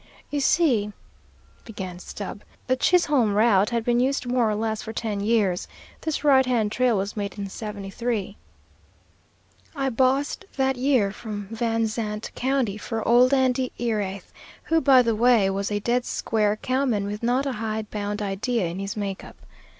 "You see," began Stubb, "the Chisholm route had been used more or less for ten years. This right hand trail was made in '73. I bossed that year from Van Zandt County, for old Andy Erath, who, by the way, was a dead square cowman with not a hide bound idea in his make up.